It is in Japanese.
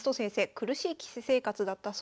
苦しい棋士生活だったそうです。